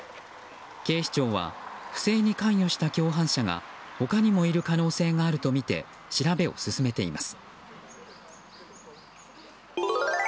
警視庁は不正に関与した共犯者が他にもいる可能性があるとみて調べを進めています。